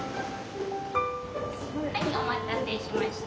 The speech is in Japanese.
はいお待たせしました。